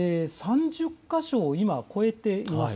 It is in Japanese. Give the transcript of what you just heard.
３０か所を今、超えています。